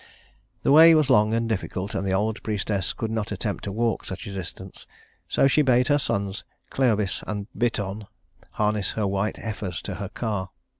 The way was long and difficult, and the old priestess could not attempt to walk such a distance; so she bade her sons Cleobis and Biton harness her white heifers to her car.